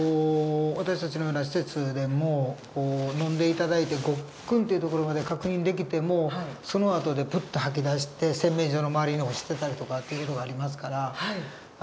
私たちのような施設でも飲んで頂いてごっくんっていうところまで確認できてもそのあとでプッと吐き出して洗面所の周りに落ちてたりとかっていう事がありますから。